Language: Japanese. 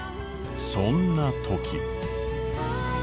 そんな時。